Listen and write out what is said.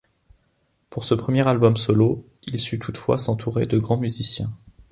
Pour ce premier album solo, il sut toutefois s'entourer de grands musiciens.